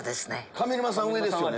上沼さん上ですよね。